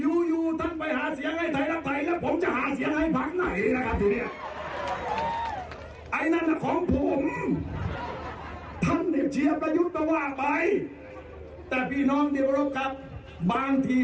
อยู่ท่านไปหาเสียงให้ไทยรักไทยแล้วผมจะหาเสียงให้พักไหนนะครับทีนี้